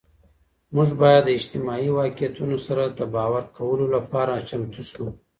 مونږ باید د اجتماعي واقعیتونو سره د باور کولو لپاره چمتو سو.